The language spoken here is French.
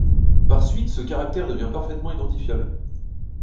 Par suite ce caractère devient parfaitement identifiable.